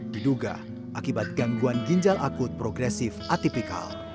diduga akibat gangguan ginjal akut progresif atipikal